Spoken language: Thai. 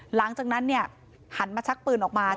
หลังจากนั้นเนี่ยหันมาชักปืนออกมา